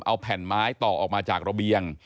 เอาแผ่นไม้ต่อออกมาจากระเบียง